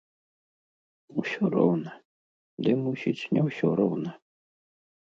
Усё роўна, ды, мусіць, не ўсё роўна.